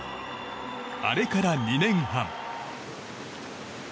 あれから２年半。